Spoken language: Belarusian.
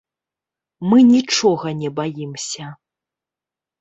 Мы нічога не баімся.